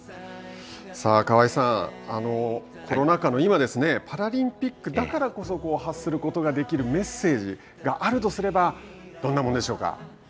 河合さんコロナ禍の今パラリンピックだからこそ発することができるメッセージがあるとすればどんなものでしょうか。